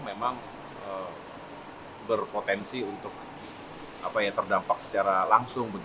memang berpotensi untuk terdampak secara langsung